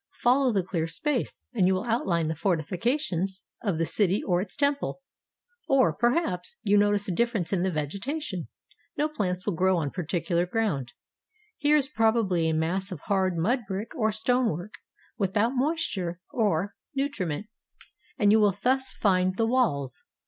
Follow the clear space, and you will outline the fortifications of the city or its temple. Or, perhaps, you notice a difference in the vegetation — no plants will grow on particular ground; here is probably a mass of hard mud brick or stonework, without moisture or nutriment, and you will thus find the walls.